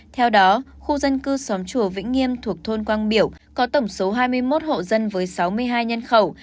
theo đó khu dân cư xóm chùa vĩnh nghiêm thuộc thôn quang biểu có tổng số hai mươi một hộ dân với sáu mươi hai nhân khẩu